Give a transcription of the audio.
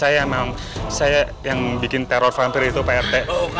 iya pak rt saya yang bikin teror factory itu pak rt